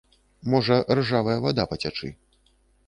Можа ржавая вада пацячы.